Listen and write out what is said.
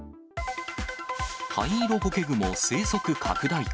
ハイイロゴケグモ生息拡大か。